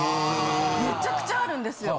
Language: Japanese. めちゃくちゃあるんですよ。